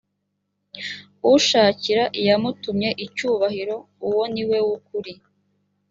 ushakira iyamutumye icyubahiro uwo ni we w ukuri